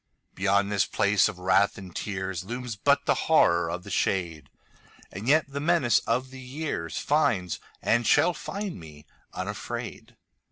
Beyond this place of wrath and tearsLooms but the Horror of the shade, And yet the menace of the yearsFinds, and shall find, me unafraid.